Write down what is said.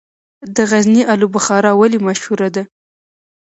د غزني الو بخارا ولې مشهوره ده؟